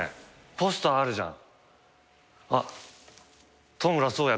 ポスターあるじゃん。